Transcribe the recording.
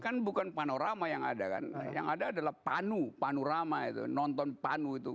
kan bukan panorama yang ada kan yang ada adalah panu panorama itu nonton panu itu